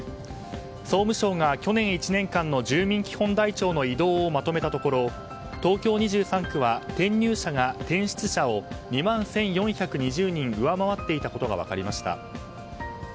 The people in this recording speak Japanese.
総務省が去年１年間の住民記帳台帳の移動をまとめたところ東京２３区は、転入者が転出者を２万１４２０人上回っていたことが分かりました。